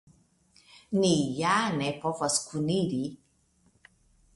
Ni ja ne povas kuniri.